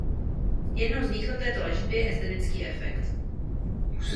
Jednou z výhod této léčby je estetický efekt.